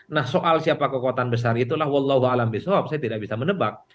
nah soal siapa kekuatan besar itulah wallawa alam biswab saya tidak bisa menebak